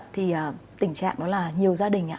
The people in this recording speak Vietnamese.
thì tình trạng đó là nhiều gia đình